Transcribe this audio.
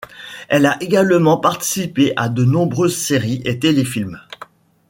Elle a également participé à de nombreuses séries et téléfilms.